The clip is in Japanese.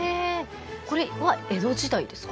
これは江戸時代ですか？